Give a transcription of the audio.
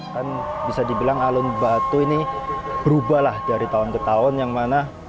kan bisa dibilang alun batu ini berubah lah dari tahun ke tahun yang mana